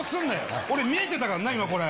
俺、見えてたからな、これ。